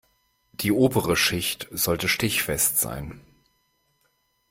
Die obere Schicht sollte stichfest sein.